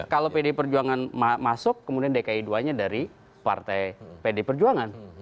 kalau pd perjuangan masuk kemudian dki dua nya dari partai pd perjuangan